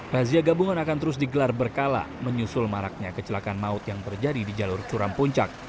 razia gabungan akan terus digelar berkala menyusul maraknya kecelakaan maut yang terjadi di jalur curam puncak